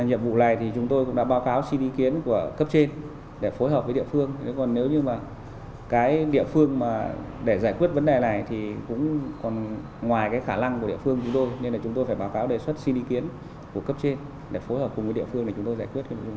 nên là chúng tôi phải báo cáo đề xuất xin ý kiến của cấp trên để phối hợp cùng với địa phương để chúng tôi giải quyết vấn đề này